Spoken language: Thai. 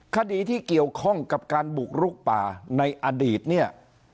คดีที่เกี่ยวข้องกับการบุกลุกป่าในอดีตเนี่ย